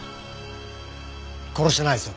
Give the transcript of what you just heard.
殺してないですよ